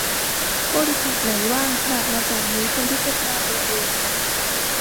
บริษัทไหนว่างขนาดมาจากนี้ควรพิจารณาตัวเอง